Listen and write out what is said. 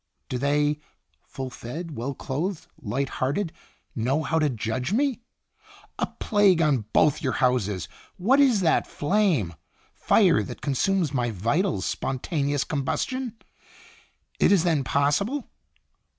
Do they, full fed, well clothed, light hearted, know how to judge me? 'A plague on both your houses!' What is that flame? Fire that consumes my vitals spon ta neous combustion! It is then possible.